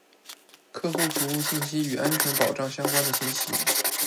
·客户服务信息和与安全保障相关的信息。